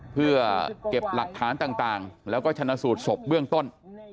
เพื่อเก็บหลักฐานต่างแล้วก็ชนะสูตรศพเบื้องต้น